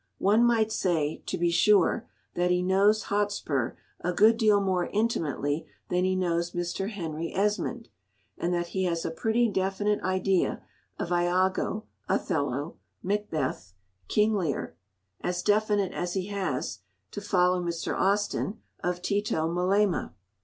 One might say, to be sure, that he knows Hotspur a good deal more intimately than he knows Mr. Henry Esmond, and that he has a pretty definite idea of Iago, Othello, Macbeth, King Lear, as definite as he has (to follow Mr. Austin) of Tito Melema.